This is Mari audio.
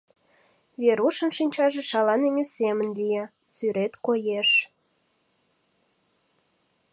Верушын шинчаже шаланыме семын лие, сӱрет коеш: